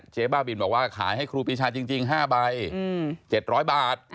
บ้าบินบอกว่าขายให้ครูปีชาจริง๕ใบ๗๐๐บาท